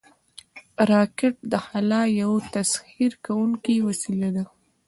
راکټ د خلا یو تسخیر کوونکی وسیله ده